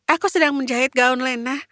aku sedang menjahit gaun lena